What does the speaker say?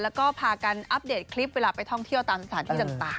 แล้วก็พากันอัปเดตคลิปเวลาไปท่องเที่ยวหาตลาดศาสตร์จนต่าง